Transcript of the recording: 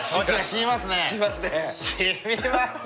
染みますね。